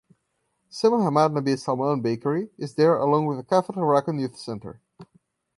Sama Ahmad Nabil Salman Bakery is there along with the Kafr Zarqan Youth Center.